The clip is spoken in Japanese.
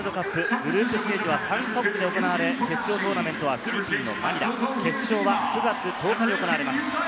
グループステージは３カ国で行われ、決勝トーナメントはフィリピンのマニラ、決勝は９月１０日に行われます。